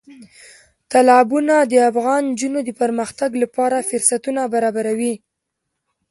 تالابونه د افغان نجونو د پرمختګ لپاره فرصتونه برابروي.